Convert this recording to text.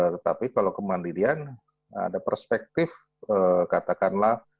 tetapi kalau kemandirian ada perspektif katakanlah